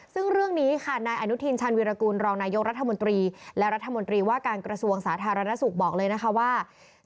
ซึ่งเรื่องนี้ค่ะนายอนุทินชาญวิรากูลรองนายกรัฐมนตรีและรัฐมนตรีว่าการกระทรวงสาธารณสุขบอกเลยนะคะว่า